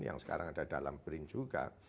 yang sekarang ada dalam brin juga